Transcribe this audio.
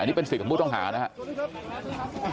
นี่เป็นสิทธิ์ของผู้ต้องหานะครับ